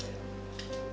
ini sudah segini